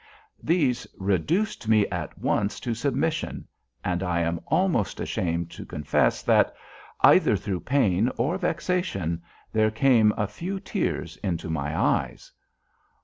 These reduced me at once to submission, and I am almost ashamed to confess that, either through pain or vexation, there came a few tears into my eyes.